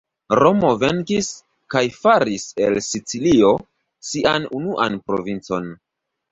Romo venkis, kaj faris el Sicilio sian unuan provincon.